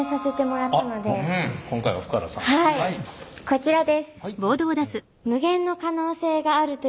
こちらです！